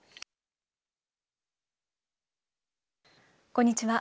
こんにちは。